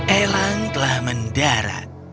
elang telah mendarat